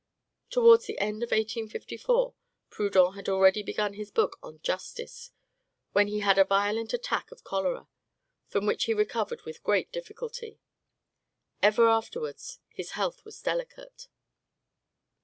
Towards the end of 1854, Proudhon had already begun his book on "Justice," when he had a violent attack of cholera, from which he recovered with great difficulty. Ever afterwards his health was delicate.